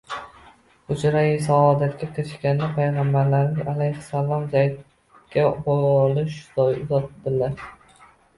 Hujrai saodatga kirishganda Payg‘ambarimiz alayhissalom Zaydga bolish uzatdilar